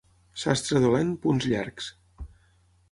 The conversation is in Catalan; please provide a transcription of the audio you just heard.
Sastre dolent, punts llargs.